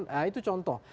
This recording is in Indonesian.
nah itu contoh